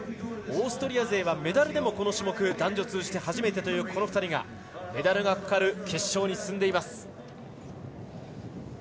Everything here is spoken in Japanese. オーストリア勢は、この種目男女を通じて初めてという２人がメダルがかかる決勝に進んでいます。